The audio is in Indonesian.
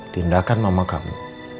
tindakan mama kamu